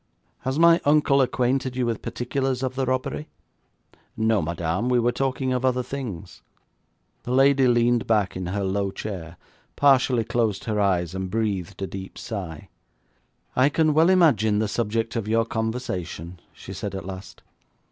'Has my uncle acquainted you with particulars of the robbery?' 'No, madame, we were talking of other things.' The lady leaned back in her low chair, partially closed her eyes, and breathed a deep sigh. 'I can well imagine the subject of your conversation,' she said at last.